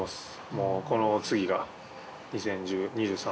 もうこの次が２０２３